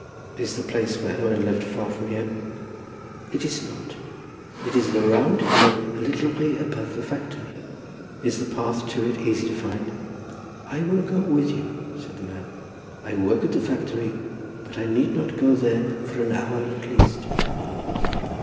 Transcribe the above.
"Is the place where Owen lived far from here?" "It is not. It is the round hill a little way above the factory." "Is the path to it easy to find?" "I will go with you," said the man. "I work at the factory, but I need not go there for an hour at least."